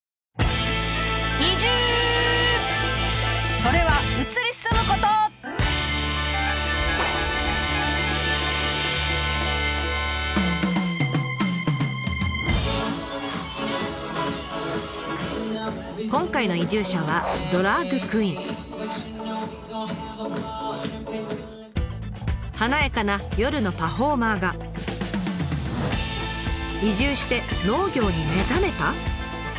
それは今回の移住者は華やかな夜のパフォーマーが移住して農業に目覚めた！？